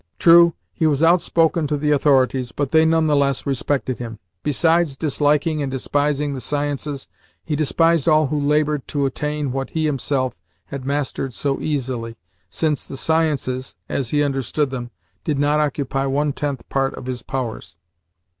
True, he was outspoken to the authorities, but they none the less respected him. Besides disliking and despising the sciences, he despised all who laboured to attain what he himself had mastered so easily, since the sciences, as he understood them, did not occupy one tenth part of his powers.